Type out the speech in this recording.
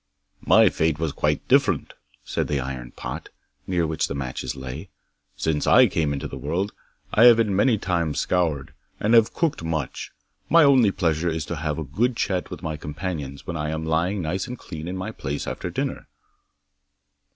'"My fate was quite different," said the iron pot, near which the matches lay. '"Since I came into the world I have been many times scoured, and have cooked much. My only pleasure is to have a good chat with my companions when I am lying nice and clean in my place after dinner."